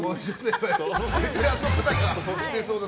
ベテランの方が着てそうな。